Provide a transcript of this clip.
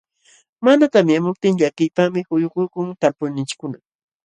Mana tamyamuptin llakiypaqmi quyukuykun talpuyninchikkuna.